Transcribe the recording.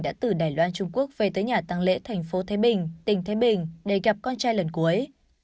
đã từ đài loan trung quốc về tới nhà tăng lễ thành phố thái bình tỉnh thái bình để gặp con trai lần cuối